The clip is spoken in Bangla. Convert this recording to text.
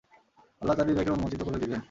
আল্লাহ তার হৃদয়কে উন্মোচিত করে দিলেন।